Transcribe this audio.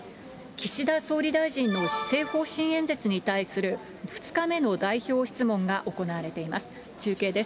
岸田総理大臣の施政方針演説に対する２日目の代表質問が行われています。